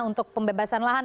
untuk pembebasan lahan